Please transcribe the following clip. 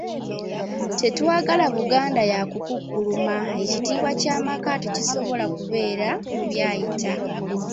Tetwagala Buganda yakukukkuluma, ekitiibwa ky'amaka tekisobola kubeera mu byayita.